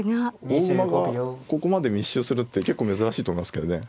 大駒がここまで密集するって結構珍しいと思いますけどね。